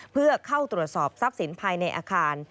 เพื่อเข้าตรวจสอบทรัพย์สินภายในอาคาร